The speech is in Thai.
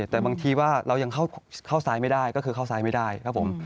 แต่บางทีว่าเรายังเข้าซ้ายไม่ได้ก็คือเข้าซ้ายไม่ได้ครับผม